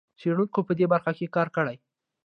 څېړونکو په دې برخه کې کار کړی.